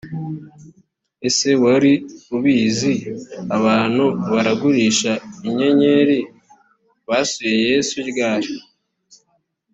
ese wari ubizi abantu baragurisha inyenyeri basuye yesu ryari